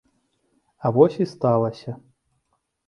А вось і сталася.